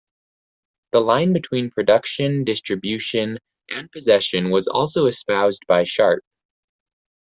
The line between production, distribution, and possession was also espoused by Sharpe.